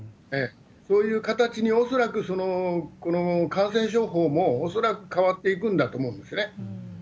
そういう形に、恐らく感染症法も、恐らく変わっていくんだと思うんですよね。